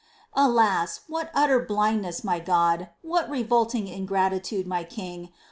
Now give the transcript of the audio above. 7. Alas, what utter blindness, my God ! what revolting ingratitude, my King